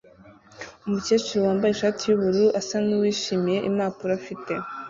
Umukecuru wambaye ishati yubururu asa nuwishimiye impapuro afite